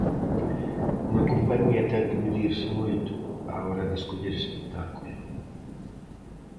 Unha compañía ten que medirse moito á hora de escoller espectáculo.